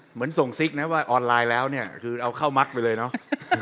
เหมือนส่งซิกนะว่าออนไลน์แล้วเนี่ยคือเอาเข้ามักไปเลยเนาะ